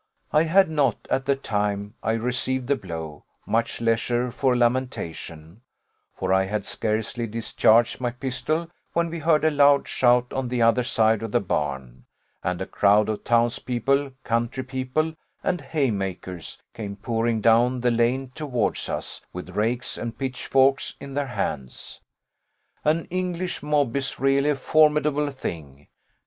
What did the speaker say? I had not, at the time I received the blow, much leisure for lamentation; for I had scarcely discharged my pistol when we heard a loud shout on the other side of the barn, and a crowd of town's people, country people, and haymakers, came pouring down the lane towards us, with rakes and pitchforks in their hands. An English mob is really a formidable thing.